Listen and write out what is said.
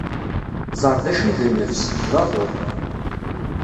Ẓer d acu i d nnefs: d aḍu.